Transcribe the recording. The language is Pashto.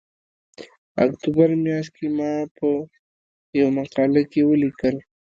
اکتوبر میاشت کې ما په یوه مقاله کې ولیکل